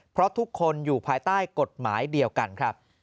เพราะทุกคนอยู่ภายใต้กฎหมายเดียวกันครับ